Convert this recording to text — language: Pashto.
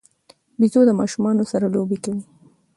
بيزو د ماشومانو سره لوبې کوي.